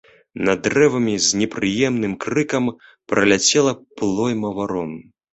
Над дрэвамі з непрыемным крыкам праляцела плойма варон.